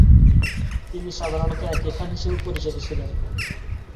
তিনি সাধারণত একে খান হিসেবে পরিচিত ছিলেন।